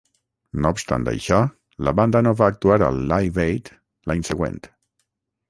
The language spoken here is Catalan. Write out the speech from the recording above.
No obstant això, la banda no va actuar al Live Aid l'any següent.